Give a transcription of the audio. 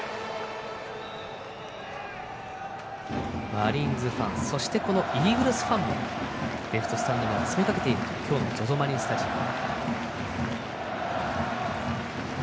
マリーンズファンそして、イーグルスファンもレフトスタンドに詰めかけている今日のＺＯＺＯマリンスタジアム。